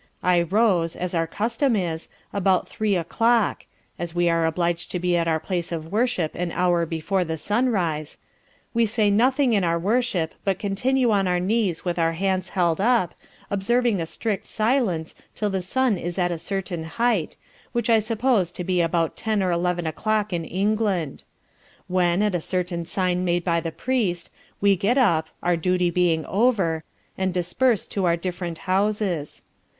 I rose, as our custom is, about three o'clock, (as we are oblig'd to be at our place of worship an hour before the sun rise) we say nothing in our worship, but continue on our knees with our hands held up, observing a strict silence 'till the sun is at a certain height, which I suppose to be about 10 or 11 o'clock in England: when, at a certain sign made by the priest, we get up (our duty being over) and disperse to our different houses.